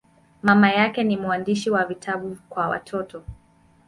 Mama yake ni mwandishi wa vitabu kwa watoto.